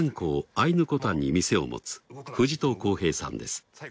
アイヌコタンに店を持つ藤戸康平さんです。